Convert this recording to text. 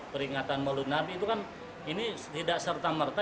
peringatan maulunabi itu kan ini tidak serta merta